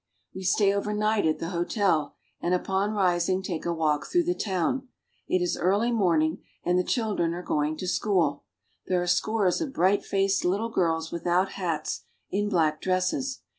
We stay overnight at the hotel, and upon rising take a walk through the town. It is early morning, and the children are going to school. There are scores of bright faced little girls without hats, in black dresses.